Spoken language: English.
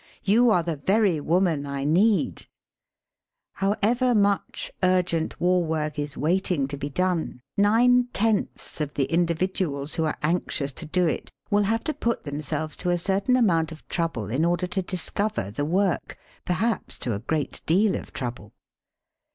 You are the very woman I need !" However much urgent war work is waiting to be done, nine tenths of the indi viduals who are anxious to do it will have to put themselves to a certain amount of trouble in order to discover the work, perhaps to a great deal of trouble.